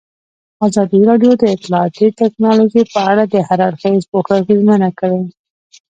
ازادي راډیو د اطلاعاتی تکنالوژي په اړه د هر اړخیز پوښښ ژمنه کړې.